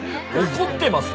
怒ってます。